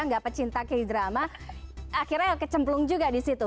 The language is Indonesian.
nggak pecinta k drama akhirnya kecemplung juga di situ